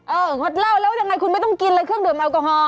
งดเหล้าแล้วยังไงคุณไม่ต้องกินเลยเครื่องดื่มแอลกอฮอล